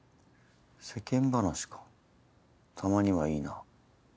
世間話かたまにはいいな。